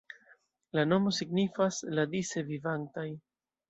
La nomo signifas "la dise vivantaj".